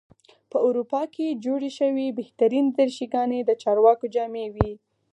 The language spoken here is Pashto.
په اروپا کې جوړې شوې بهترینې دریشي ګانې د چارواکو جامې وې.